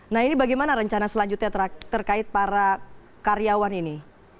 nah ini bagaimana rencana selanjutnya terkait para karyawan ini